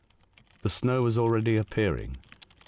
The snow was already appearing.